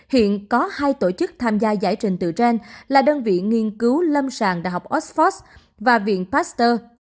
hiện có hai tổ chức tham gia giải trình tự gen là đơn viện nghiên cứu lâm sàng đh oxford và viện pasteur